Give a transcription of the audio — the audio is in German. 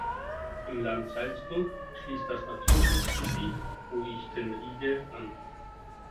Im Land Salzburg schließt das Naturschutzgebiet "Oichtenriede" an.